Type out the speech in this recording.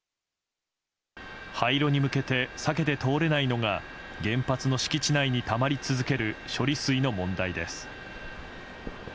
廃炉に向けて避けて通れないのが原発の敷地内にたまり続ける処理水の問題です。